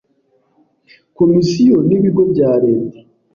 Komisiyo n’ibigo bya Leta